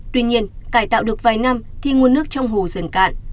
tuy nhiên cải tạo được vài năm thì nguồn nước trong hồ dần cạn